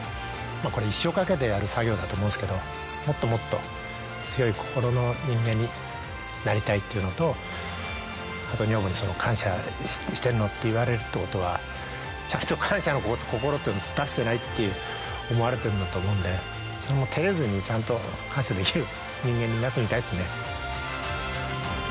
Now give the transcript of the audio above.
これ一生かけてやる作業だと思うんですけどもっともっと。っていうのとあと女房にその「感謝してるの？」って言われるってことはちゃんと感謝の心出してないって思われてるんだと思うんでそれも照れずにちゃんと感謝できる人間になってみたいですね。